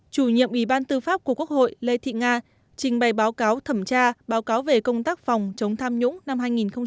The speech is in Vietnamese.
chủ nhiệm ủy ban tư pháp của quốc hội lê thị nga trình bày báo cáo thẩm tra báo cáo về công tác phòng chống tham nhũng năm hai nghìn một mươi chín